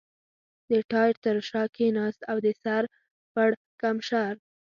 د ټایر تر شا کېناست او د سر پړکمشر.